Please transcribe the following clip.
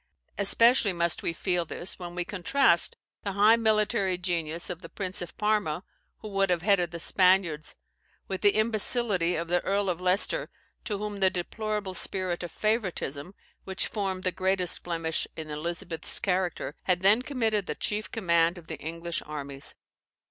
Especially must we feel this, when we contrast the high military genius of the Prince of Parma, who would have headed the Spaniards, with the imbecility of the Earl of Leicester, to whom the deplorable spirit of favouritism, which formed the greatest blemish in Elizabeth's character, had then committed the chief command of the English armies.